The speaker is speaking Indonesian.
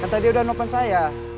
kan tadi udah nelfon saya